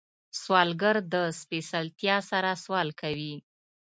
سوالګر له سپېڅلتیا سره سوال کوي